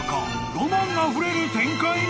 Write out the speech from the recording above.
ロマンあふれる展開に！］